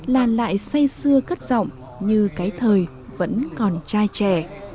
là lại say xưa cất giọng như cái thời vẫn còn trai trẻ